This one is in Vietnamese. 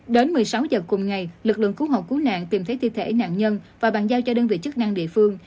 đến một mươi sáu giờ cùng ngày lực lượng cứu hộ cứu nạn tìm thấy thi thể nạn nhân và bàn giao cho đơn vị chức năng địa phương